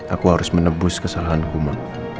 aku harus menebus kesalahanku ma